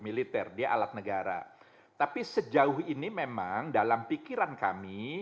militer dia alat negara tapi sejauh ini memang dalam pikiran kami